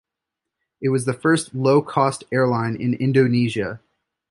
It was the first low cost airline in Indonesia.